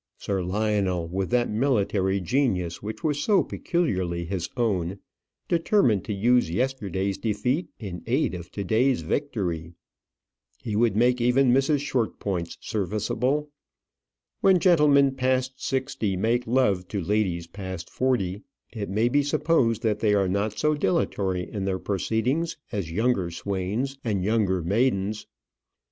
Sir Lionel, with that military genius which was so peculiarly his own, determined to use his yesterday's defeat in aid of to day's victory. He would make even Mrs. Shortpointz serviceable. When gentlemen past sixty make love to ladies past forty, it may be supposed that they are not so dilatory in their proceedings as younger swains and younger maidens.